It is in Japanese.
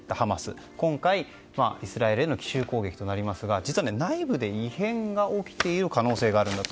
それで今回、イスラエルへの奇襲攻撃となりますが実は内部で異変が起きている可能性があると。